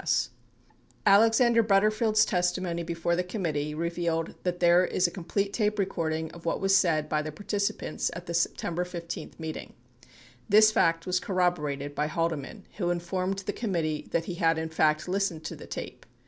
38 Alexander Butterfield's testimony before the committee revealed that there is a complete tape recording of what was said by the participants at the September 15 meeting. 39 This fact was corroborated by Halde man who informed the committee that he had in fact listened to the tape.